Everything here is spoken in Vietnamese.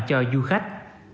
cho du khách